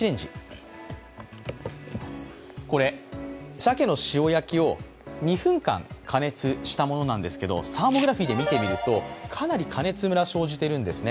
鮭の塩焼きを２分間加熱したものなんですけどサーモグラフィーで見てみるとかなり加熱ムラ出てるんですね。